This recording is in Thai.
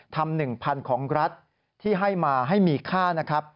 ๑๐๐๐ของรัฐที่ให้มาให้มีค่านะครับ